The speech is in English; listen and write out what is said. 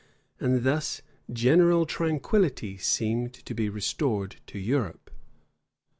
And thus general tranquillity seemed to be restored to Europe.